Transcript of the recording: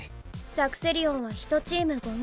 ザクセリオンは１チーム５人。